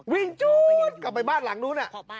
จู๊ดกลับไปบ้านหลังนู้น